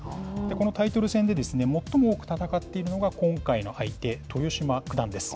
このタイトル戦で、最も多く戦っているのが、今回の相手、豊島九段です。